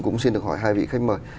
cũng xin được hỏi hai vị khách mời